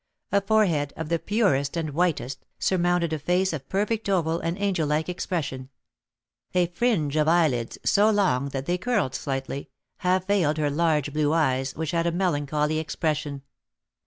A forehead, of the purest and whitest, surmounted a face of perfect oval and angel like expression; a fringe of eyelids, so long that they curled slightly, half veiled her large blue eyes, which had a melancholy expression.